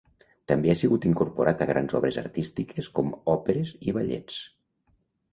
També ha sigut incorporat a grans obres artístiques com òperes i ballets.